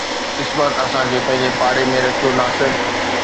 قسمت اسان کي پنهنجي پاڙي ۾ رکيو ناصر